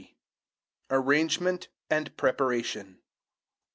ARRANGEMENT AND PREPARATION.